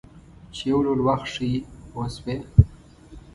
چې یو ډول وخت ښیي پوه شوې!.